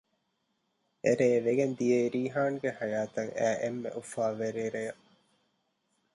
އެރޭ ވެގެންދިޔައީ ރީޙާންގެ ޙަޔާތަށް އައި އެންމެ އުފާވެރި ރެޔަށް